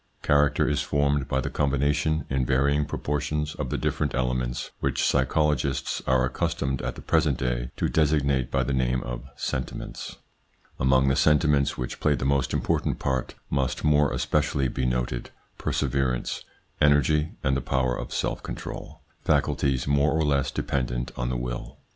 Character is formed by the combination, in varying proportions, of the different elements which psycho logists are accustomed at the present day to designate by the name of sentiments. Among the sentiments which play the most important part must more especially be noted perseverance, energy, and the power of self control, faculties more or less dependent on the will.